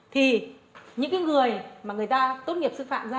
thì những người mà người ta tốt nghiệp